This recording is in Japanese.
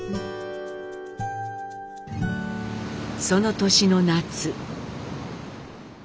その年の夏。